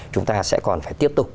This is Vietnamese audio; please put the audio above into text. chúng ta sẽ còn phải tiếp tục